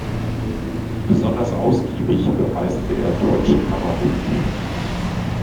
Besonders ausgiebig bereiste er Deutsch-Kamerun.